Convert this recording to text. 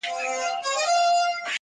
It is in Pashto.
• اور او اوبه یې د تیارې او د رڼا لوري_